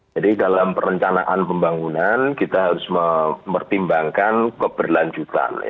jadi alam perencanaan pembangunan kita harus mempertimbangkan keberlanjutan